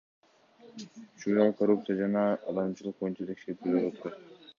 Учурда ал коррупция жана алдамчылык боюнча шектелип ТИЗОдо отурат.